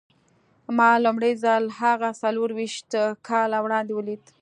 ما لومړی ځل هغه څلور ويشت کاله وړاندې وليد.